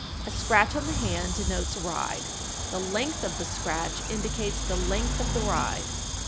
_ 1366. A scratch on the hand denotes a ride; the length of the scratch indicates the length of the ride.